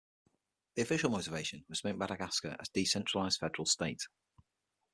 The official motivation was to make Madagascar a decentralised federal state.